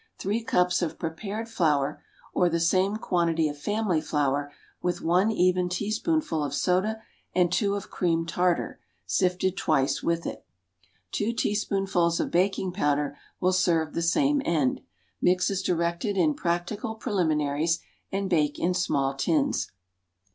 Three cups of prepared flour, or the same quantity of family flour with one even teaspoonful of soda and two of cream tartar, sifted twice with it. Two teaspoonfuls of baking powder will serve the same end. Mix as directed in "Practical Preliminaries," and bake in small tins.